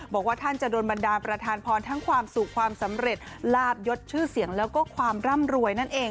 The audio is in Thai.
บอกว่าท่านจะโดนบันดาลประธานพรทั้งความสุขความสำเร็จลาบยดชื่อเสียงแล้วก็ความร่ำรวยนั่นเอง